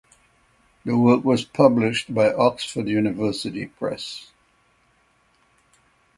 The work was published by Oxford University Press.